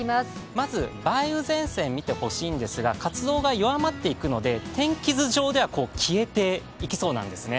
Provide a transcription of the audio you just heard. まず梅雨前線見てほしいんですが、活動が弱まっていくので天気図上では消えていきそうなんですね。